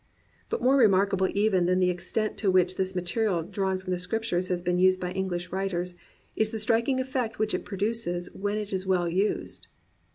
But more remarkable even than the extent to which this material drawn from the Scriptures has been used by English writers, is the striking effect which it produces when it is well used.